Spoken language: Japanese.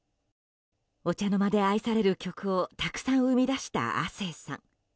お茶の間で愛される曲をたくさん生み出した亜星さん。